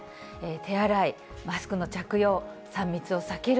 手洗い、マスクの着用、３密を避ける。